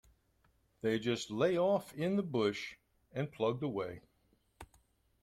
They just lay off in the bush and plugged away.